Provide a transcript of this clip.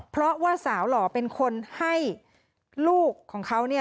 เพราะว่าสาวหล่อเป็นคนให้ลูกของเขา